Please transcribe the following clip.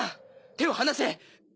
手を離せ！